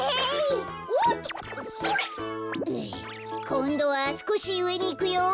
こんどはすこしうえにいくよ。